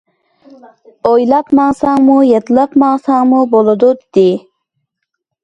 ئويلاپ ماڭساڭمۇ، يادلاپ ماڭساڭمۇ بولىدۇ، دېدى.